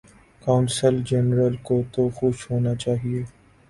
قونصل جنرل کو تو خوش ہونا چاہیے۔